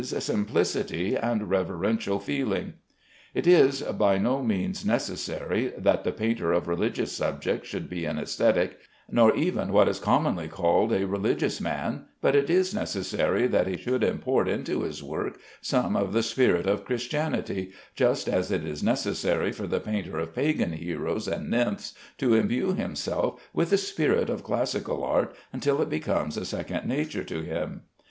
simplicity and reverential feeling. It is by no means necessary that the painter of religious subjects should be an ascetic, nor even what is commonly called a religious man, but it is necessary that he should import into his work some of the spirit of Christianity, just as it is necessary for the painter of pagan heroes and nymphs to imbue himself with the spirit of classical art until it becomes a second nature to him.